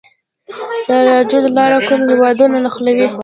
د لاجوردو لاره کوم هیوادونه نښلوي؟